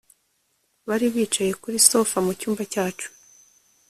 Bari bicaye kuri sofa mucyumba cyacu